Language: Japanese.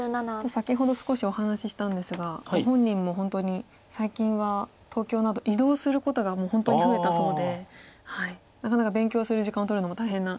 先ほど少しお話ししたんですがご本人も本当に最近は東京など移動することが本当に増えたそうでなかなか勉強する時間を取るのも大変な。